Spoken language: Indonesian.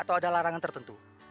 atau ada larangan tertentu